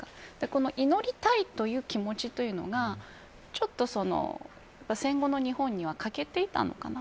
この祈りたいという気持ちというのがちょっと戦後の日本には欠けていたのかな。